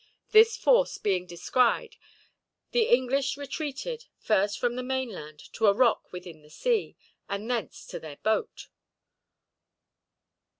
This force being descried, the English retreated, first from the mainland to a rock within the sea, and thence to their boat.